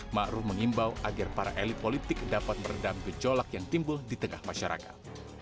⁇ maruf mengimbau agar para elit politik dapat meredam gejolak yang timbul di tengah masyarakat